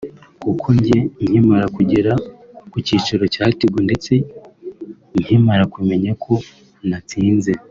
kuko njye nkimara kugera ku cyicaro cya Tigo ndetse nkimara kumenya ko natsinze